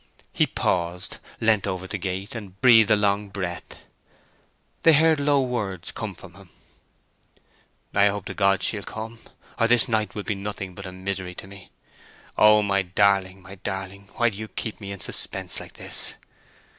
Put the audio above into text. He paused, leant over the gate, and breathed a long breath. They heard low words come from him. "I hope to God she'll come, or this night will be nothing but misery to me! Oh my darling, my darling, why do you keep me in suspense like this?"